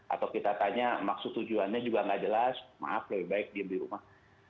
atau kita tanya maksud tujuannya juga nggak jelas maaf lebih baik diam di rumah